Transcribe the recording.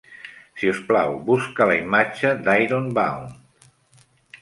Si us plau, busca la imatge d'Ironbound.